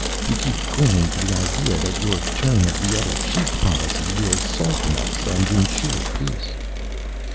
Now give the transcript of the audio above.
You keep clinging to the idea that your turn the other cheek policy will soften us and insure peace."